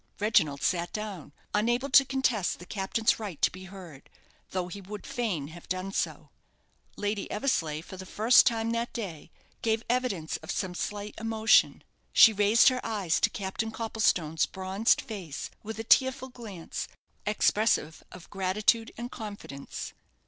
Reginald sat down, unable to contest the captain's right to be heard, though he would fain have done so. Lady Eversleigh for the first time that day gave evidence of some slight emotion. She raised her eyes to Captain Copplestone's bronzed face with a tearful glance, expressive of gratitude and confidence.